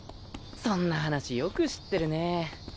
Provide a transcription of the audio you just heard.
そんな話よく知ってるね。